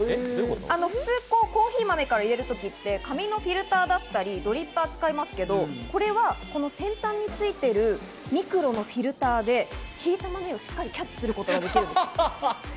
普通コーヒー豆から入れる時は紙のフィルターだったり、ドリッパーを使いますけど、これは先端についているミクロのフィルターでひいた豆をしっかりキャッチすることができます。